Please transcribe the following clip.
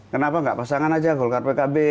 kenapa nggak pasangan aja golkar pkb